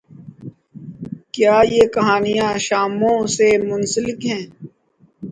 کیا کیا کہانیاںان شاموںسے منسلک ہیں۔